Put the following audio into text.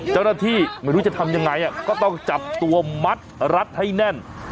เจ้าหน้าที่ไม่รู้จะทำยังไงก็ต้องจับตัวมัดรัดให้แน่น